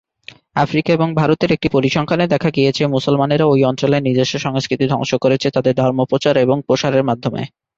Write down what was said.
Africa এবং ভারতের একটি পরিসংখ্যানে দেখা গিয়েছে মুসলমানেরা ঐ অঞ্চলের নিজস্ব সংস্কৃতি ধ্বংস করেছে তাদের ধর্ম প্রচার এবং প্রসারের মাধ্যমে।